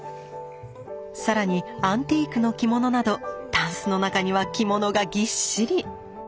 更にアンティークの着物などタンスの中には着物がぎっしり。